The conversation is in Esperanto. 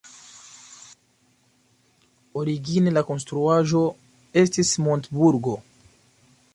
Origine la konstruaĵo estis montburgo.